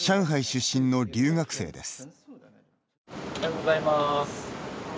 出身の留学生です。